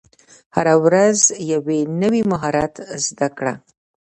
هره ورځ یو نوی مهارت زده کړه.